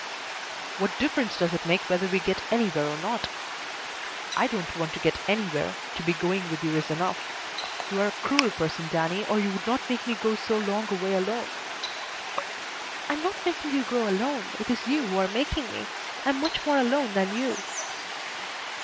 "What difference does it make whether we get anywhere or not? I don't want to get anywhere. To be going with you is enough. You are a cruel person, Danny, or you would not make me go so long a way alone." "I am not making you go alone. It is you who are making me. I am much more alone than you."